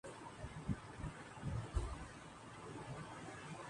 تیشے بغیر مر نہ سکا کوہکن، اسد